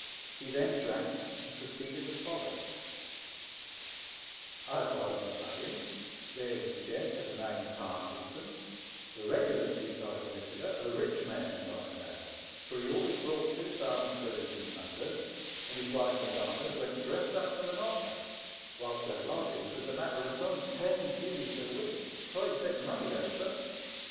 He then drank, and proceeded as follows: ''As I was saying, there was a gent of the name of Parkinson, a regular sea side wisitor, a rich man, as I allow, for he always brought two servants with him from London, and his wife and darters went dressed up to the knocker, whilst their lodgings was a matter of some ten guineas a week — tidy bit o' money, eh, sir